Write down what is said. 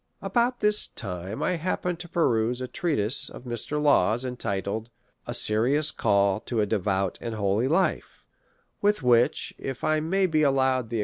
About this time, I happened to peruse a treatise of Mr. Law's, intitled, " A Serious Call to a Devout and Holy Life ;" with which (if I may be allowed the ex THE REV.